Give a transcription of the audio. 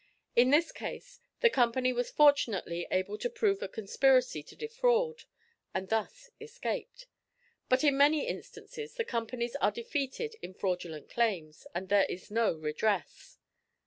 In this case the company was fortunately able to prove a conspiracy to defraud, and thus escaped; but in many instances the companies are defeated in fraudulent claims, and there is no redress.